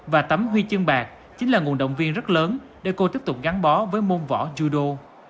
và tấm huy chương bạc chính là nguồn động viên rất lớn để cô tiếp tục gắn bó với môn võ dudo